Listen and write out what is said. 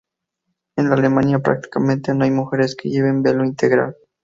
En Alemania prácticamente no hay mujeres que lleven velo integral.